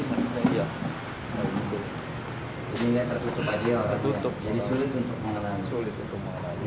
jadi gak tertutup aja orangnya jadi sulit untuk mengarahin